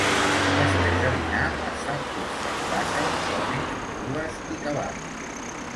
Després de dinar es fan curses d'ases, ponis, mules i cavalls.